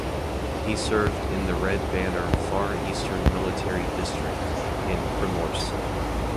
He served in the Red Banner Far Eastern Military District in Primorsk.